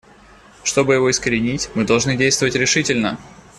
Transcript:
Чтобы его искоренить, мы должны действовать решительно.